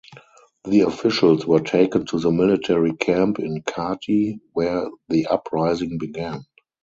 The officials were taken to the military camp in Kati where the uprising began.